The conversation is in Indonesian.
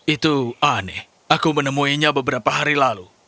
itu aneh aku menemuinya beberapa hari lalu